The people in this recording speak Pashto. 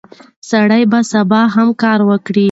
سړی به سبا هم کار وکړي.